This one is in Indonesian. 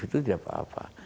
itu tidak apa apa